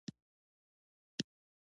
لرې باید ورته ودرېږې.